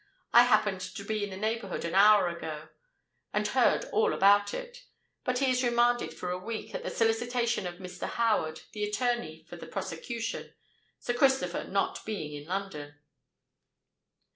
"I happened to be in the neighbourhood an hour ago, and heard all about it. But he is remanded for a week, at the solicitation of Mr. Howard, the attorney for the prosecution, Sir Christopher not being in London.